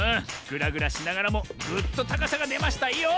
ぐらぐらしながらもぐっとたかさがでましたよ！